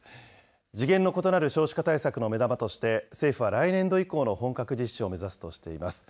次元の異なる少子化対策の目玉として、政府は来年度以降の本格実施を目指すとしています。